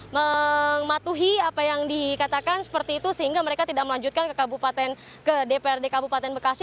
mematuhi apa yang dikatakan seperti itu sehingga mereka tidak melanjutkan ke dprd kabupaten bekasi